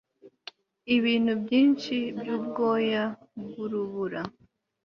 ibintu byinshi byubwoya bwurubura